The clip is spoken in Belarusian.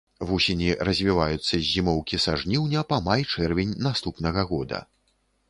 Вусені развіваюцца з зімоўкі са жніўня па май-чэрвень наступнага года.